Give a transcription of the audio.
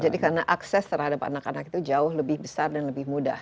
jadi karena akses terhadap anak anak itu jauh lebih besar dan lebih mudah